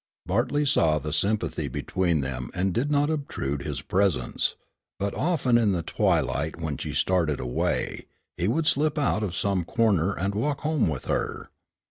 Bartley saw the sympathy between them and did not obtrude his presence, but often in the twilight when she started away, he would slip out of some corner and walk home with her.